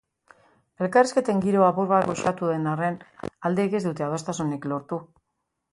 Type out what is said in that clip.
Elkarrizketen giroa apur bat goxatu den arren, aldeek ez dute adostasunik lortu.